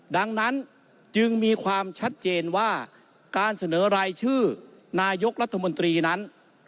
ดังนั้นจึงมีความชัดเจนว่าการเสนอรายชื่อนายกรัฐมนตรีนั้น